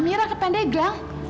kita karena berdua sudah nyala